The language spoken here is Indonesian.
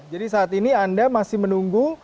jadi saat ini anda masih menunggu